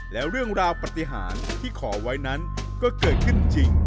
แล้วเรื่องราวปฏิหารที่ขอไว้นั้นก็เกิดขึ้นจริง